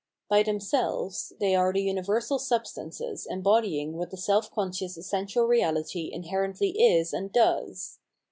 By themselves, they are the universal substances embodying what the self conscious essential reahty inherently is and does.